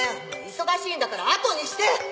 忙しいんだからあとにして！